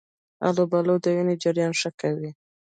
آلوبالو د وینې جریان ښه کوي.